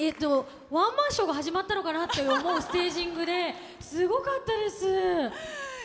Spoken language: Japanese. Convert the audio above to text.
ワンマンショーが始まったのかと思うステージングですごかったです。